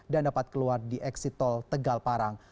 dan dapat keluar di eksit tol tegal parang